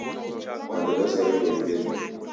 W'andu w'azerelo w'iw'e midi.